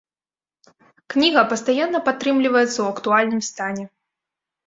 Кніга пастаянна падтрымліваецца ў актуальным стане.